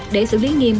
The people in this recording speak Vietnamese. để xử lý nghiêm